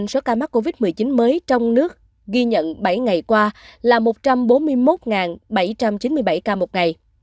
số ca mắc covid một mươi chín mới trong nước ghi nhận bảy ngày qua là một trăm bốn mươi một bảy trăm chín mươi bảy ca một ngày